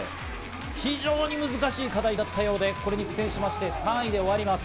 非常に難しい課題だったようで、これに苦戦しまして、３位で終わります。